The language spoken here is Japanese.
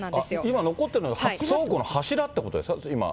今、残ってるのが倉庫の柱ということですか、今。